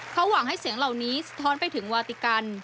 เขาหวังให้เสียงเหล่านี้สะท้อนไปถึงวาติกัน